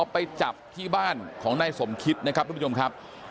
ไปจับที่บ้านของนายสมคิดนะครับทุกผู้ชมครับ